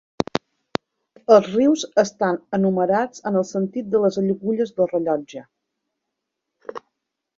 Els rius estan enumerats en el sentit de les agulles del rellotge.